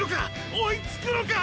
追いつくのか！！